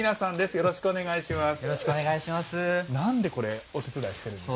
よろしくお願いします。